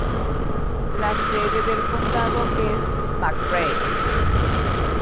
La sede del condado es McRae.